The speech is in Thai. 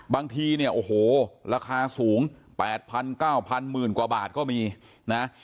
บางทีเนี่ยโอ้โหราคาสูง๘๐๐๙๐๐๐กว่าบาทก็มีนะ